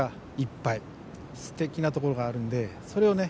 すてきなところがあるんでそれをね